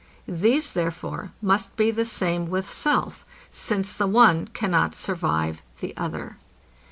These therefore must be the same with self; since the one cannot survive the other.